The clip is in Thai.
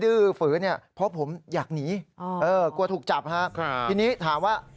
ื้อฝือเนี่ยเพราะผมอยากหนีกลัวถูกจับฮะทีนี้ถามว่า